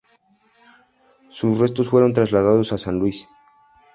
Sus restos fueron trasladados a San Luis.